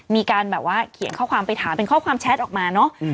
มีการแบบว่าเขียนข้อความไปถามเป็นข้อความแชทออกมาเนอะ